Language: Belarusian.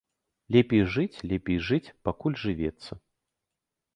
Лепей жыць, лепей жыць, пакуль жывецца.